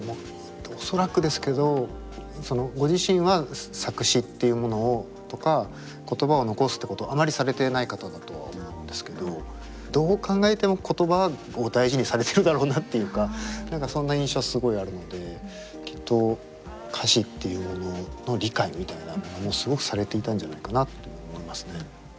恐らくですけどご自身は作詞っていうものとか言葉を残すってことあまりされてない方だとは思うんですけどどう考えても言葉を大事にされてるだろうなっていうか何かそんな印象はすごいあるのできっと歌詞っていうものの理解みたいなものもすごくされていたんじゃないかなって思いますね。